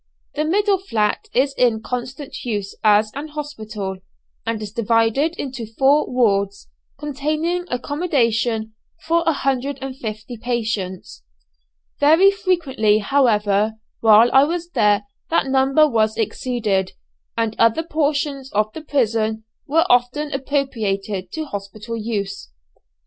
The middle flat is in constant use as an hospital, and is divided into four wards, containing accommodation for 150 patients. Very frequently, however, while I was here that number was exceeded, and other portions of the prison were often appropriated to hospital use.